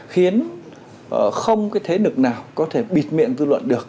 khiến không cái thế lực nào có thể bịt miệng dư luận được